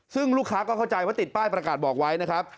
ซึ่งลูกค้าก็เข้าใจว่าติดป้ายประกาศบอกไว้นะครับ